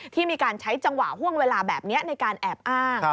ที่มีการใช้จังหวะห่วงเวลาแบบนี้ในการแอบอ้าง